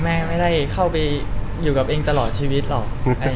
แม่ไม่ได้เข้าไปอยู่กับเองตลอดชีวิตหรอก